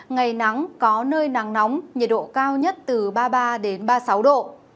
ngày nắng có nơi nắng nóng nhiệt độ cao nhất từ ba mươi ba ba mươi sáu độ